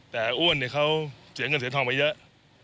แต่อ้วนเขาเสียเงินเสียทองไปเยอะ